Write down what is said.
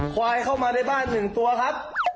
ควายเข้ามาในบ้าน๑ตัวครับ